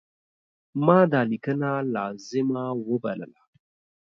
ما دا لیکنه لازمه وبلله.